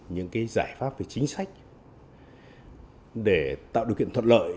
những giải pháp về chính sách để tạo điều kiện thuận lợi